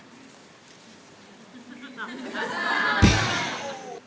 เรมรม